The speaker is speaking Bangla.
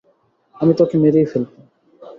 আমি তোকে মেরেই ফেলব!